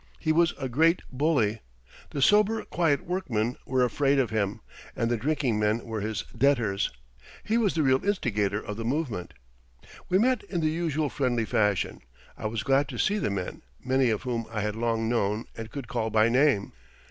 He was a great bully. The sober, quiet workmen were afraid of him, and the drinking men were his debtors. He was the real instigator of the movement. We met in the usual friendly fashion. I was glad to see the men, many of whom I had long known and could call by name.